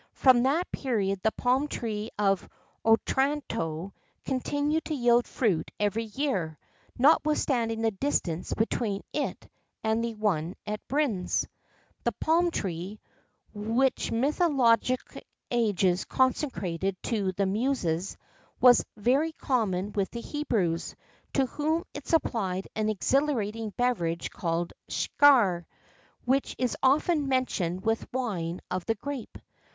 From that period the palm tree of Otranto continued to yield fruit every year, notwithstanding the distance between it and the one at Brindes.[XII 44] The palm tree, which mythologic ages consecrated to the Muses,[XII 45] was very common with the Hebrews,[XII 46] to whom it supplied an exhilarating beverage called sechar, which is often mentioned with wine of the grape.